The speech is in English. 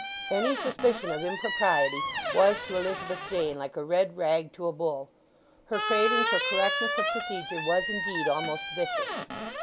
Any suspicion of impropriety was to Elizabeth Jane like a red rag to a bull. Her craving for correctness of procedure was, indeed, almost vicious.